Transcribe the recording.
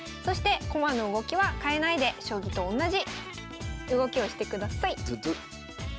そして駒の動きは変えないで将棋とおんなじ動きをしてください。